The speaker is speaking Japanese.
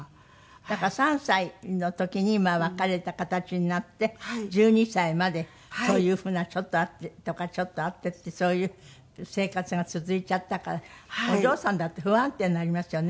だから３歳の時に別れた形になって１２歳までそういうふうなちょっと会ってとかちょっと会ってってそういう生活が続いちゃったからお嬢さんだって不安定になりますよね